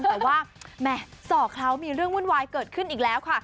แต่ว่าแหม่ส่อเขามีเรื่องวุ่นวายเกิดขึ้นอีกแล้วค่ะ